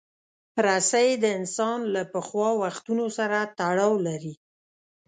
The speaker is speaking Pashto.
رسۍ د انسان له پخوا وختونو سره تړاو لري.